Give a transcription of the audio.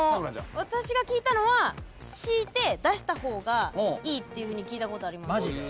私が聞いたのはしいて出した方がいいって聞いたことあります。